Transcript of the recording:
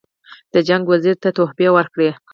د جنګ وزیر ته تحفې ورکړي.